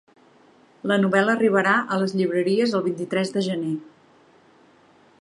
La novel·la arribarà a les llibreries el vint-i-tres de gener.